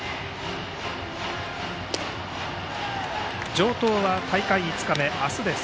城東は大会５日目、明日です。